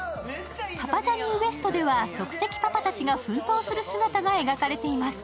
「パパジャニＷＥＳＴ」では、即席パパたちが奮闘する姿が描かれています。